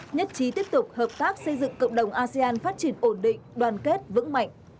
nhất trí tiếp tục hợp tác xây dựng cộng đồng asean phát triển ổn định đoàn kết vững mạnh